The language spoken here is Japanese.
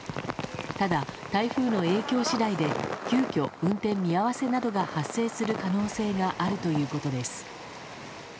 ただ、台風の影響次第で急きょ、運転見合わせなどが発生する可能性があるということです。